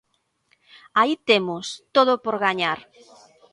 Aí temos todo por gañar.